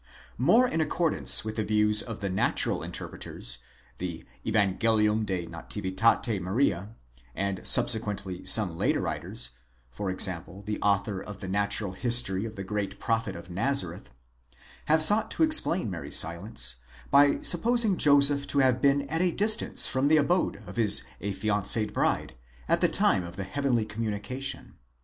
More in accordance with the views of the natural interpreters, the Avange lium de nativitate Mariae,S and subsequently some later writers, for example, the author of the Natural History of the Great Prophet of Nazareth, have sought to explain Mary's silence, by supposing Joseph to have been at a distance from the abode of his affianced bride at the time of the heavenly communica tion.